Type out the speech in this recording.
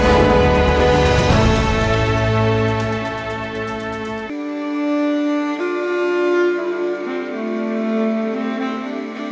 penyelamatkan kepadanya di tarsius